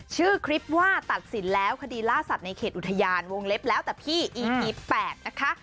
ชื่อคลิปว่าตัดสินแล้วคดีล่าสัตว์ในเขตอุทยานวงเล็บแล้วแต่พี่อีพี๘นะคะ